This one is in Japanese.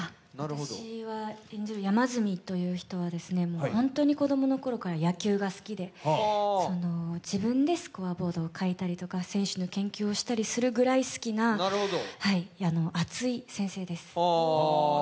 私が演じる山住という人は子供の頃から野球が好きで、自分でスコアボードを書いたり選手の研究をしたりするような熱い先生です。